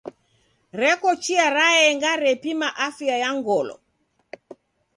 Reko chia raenga repima afya ya ngolo.